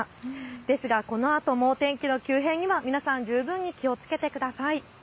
ですがこのあとも天気の急変には十分気をつけてください。